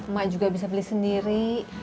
emak juga bisa beli sendiri